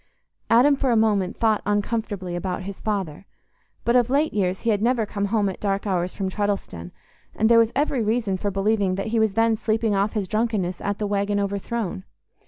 Adam for a moment thought uncomfortably about his father; but of late years he had never come home at dark hours from Treddleston, and there was every reason for believing that he was then sleeping off his drunkenness at the "Waggon Overthrown."